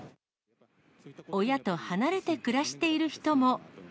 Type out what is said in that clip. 親と離れて暮らしている人も。